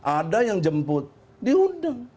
ada yang jemput diundang